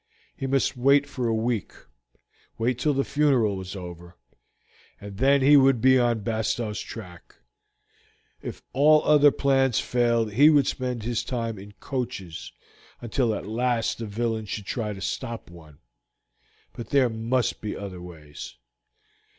He must wait for a week, wait till the funeral was over, and then he would be on Bastow's track. If all other plans failed he would spend his time in coaches until at last the villain should try to stop one; but there must be other ways.